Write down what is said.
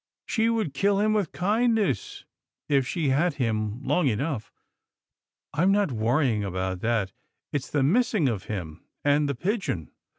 She would kill him with kind ness if she had him long enough. I'm not worry ing about that. It's the missing of him and the pigeon.